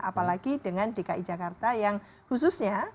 apalagi dengan dki jakarta yang khususnya